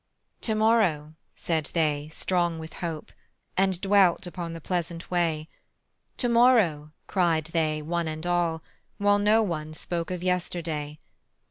"To morrow," said they, strong with hope, And dwelt upon the pleasant way: "To morrow," cried they, one and all, While no one spoke of yesterday.